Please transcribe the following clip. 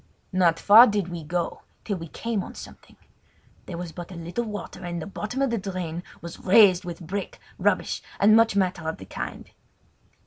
Not far did we go till we came on something. There was but little water, and the bottom of the drain was raised with brick, rubbish, and much matter of the kind.